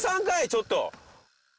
ちょっと！